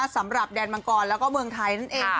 สำหรับแดนมังกรแล้วก็เมืองไทยนั่นเอง